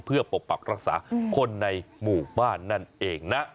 เพื่อปกปักรักษาคนในหมู่บ้านนั่นเองนะ